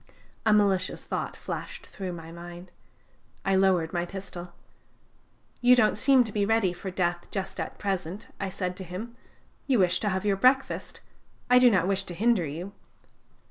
A malicious thought flashed through my mind. I lowered my pistol. "'You don't seem to be ready for death just at present,' I said to him: 'you wish to have your breakfast; I do not wish to hinder you.'